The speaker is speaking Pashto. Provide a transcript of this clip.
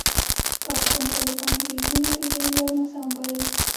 پاکستان د طالبانو بریدونه بې دلیله او ناسم وبلل.